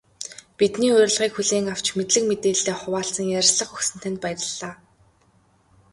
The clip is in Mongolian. Бидний урилгыг хүлээн авч, мэдлэг мэдээллээ хуваалцан ярилцлага өгсөн танд баярлалаа.